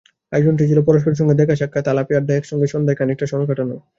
আয়োজনটি ছিল পরস্পরের সঙ্গে দেখা-সাক্ষাৎ, আলাপে-আড্ডায় একসঙ্গে সন্ধ্যায় খানিকটা সময় কাটানো।